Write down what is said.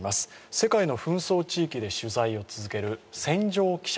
世界の紛争地域で取材を続ける戦場記者、